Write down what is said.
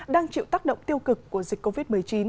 đang chịu tác động tiêu cực của dịch covid một mươi chín